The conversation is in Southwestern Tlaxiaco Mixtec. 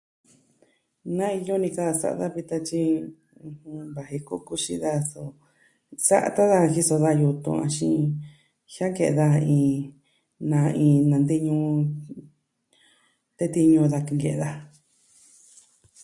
Na iyo ni ka saa va vi tatyi. Va jen koko xii da so. Sa'a to da jiso da yutun axin jiaan ke da iin na'in nanteñuu. Tee tiñu da ke'en ke da.